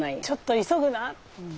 ちょっと急ぐな。